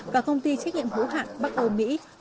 và công ty trách nhiệm hữu hạn bắc âu mỹ